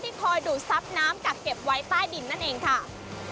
คอยดูดซับน้ำกักเก็บไว้ใต้ดินนั่นเองค่ะ